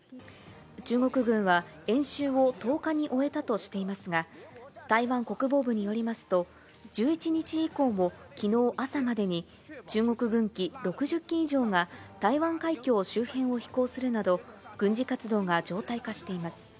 中国軍は、演習を１０日に終えたとしていますが、台湾国防部によりますと、１１日以降も、きのう朝までに、中国軍機６０機以上が台湾海峡周辺を飛行するなど、軍事活動が常態化しています。